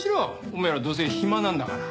お前らどうせ暇なんだから。